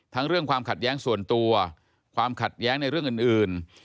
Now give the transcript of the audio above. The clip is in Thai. เรื่องความขัดแย้งส่วนตัวความขัดแย้งในเรื่องอื่น